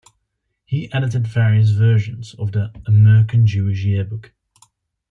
He edited various versions of the "American Jewish Yearbook".